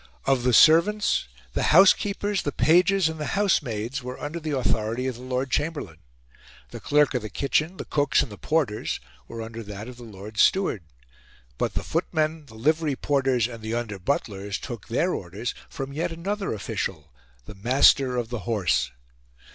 Of the servants, the housekeepers, the pages, and the housemaids were under the authority of the Lord Chamberlain; the clerk of the kitchen, the cooks, and the porters were under that of the Lord Steward; but the footmen, the livery porters, and the under butlers took their orders from yet another official the Master of the Horse.